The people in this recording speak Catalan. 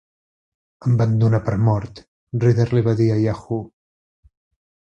"Em van donar per mort" Rider li va dir a Yahoo!